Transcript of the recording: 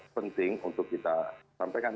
penting untuk kita sampaikan